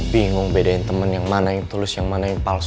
bingung bedain teman yang mana yang tulus yang mana yang palsu